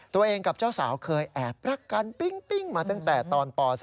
ตัวเองกับเจ้าสาวเคยแอบรักกันปิ้งมาตั้งแต่ตอนป๔